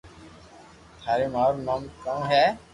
: ٿاري مان رو نوم ڪاؤ ھي